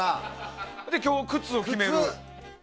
で、今日、靴を決める。